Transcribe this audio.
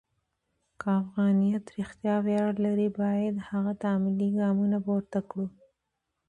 که افغانیت رښتیا ویاړ لري، باید هغه ته عملي ګامونه پورته کړو.